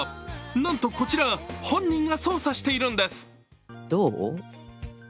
なんとこちら本人が操作しているんです。